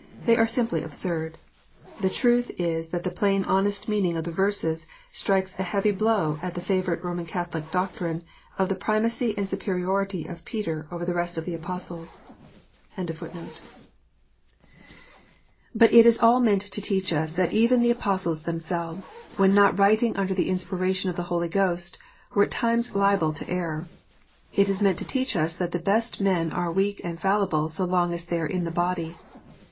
They are simply absurd. The truth is that the plain honest meaning of the verses strikes a heavy blow at the favourite lloman Catholic doctrine of the primacy and superiority of Peter over the rest of the Apostles. 366 KNOTS UNTIED. But it is all meant to teach us that even the Apostles them selves, when not writing under the inspiration of the Holy Ghost, were at times liable to err. It is meant to teach us that the best men are weak and fallible so long as they are in the body.